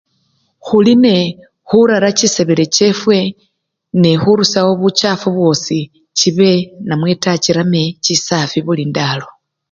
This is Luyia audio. Khulinekhurara chisebele chefwe nekhurusyawo buchafu bwosi chibe namweta chirame chisafi bulindalo.